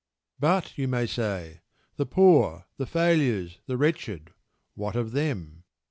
"But," you may say, "the poor, the failures, the wretched what of them?"